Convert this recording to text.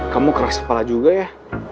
kamu keras kepala juga ya